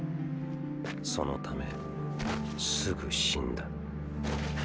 その為すぐ死んだ。